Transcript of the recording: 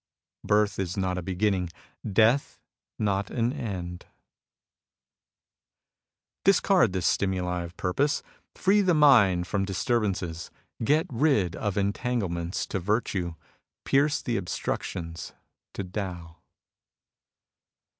Birth is not a beginning ; death is not an end. Discard the stimuli of purpose. Free the mind from disturbances. Get rid of entanglements to virtue. Pierce the obstructions to Tao.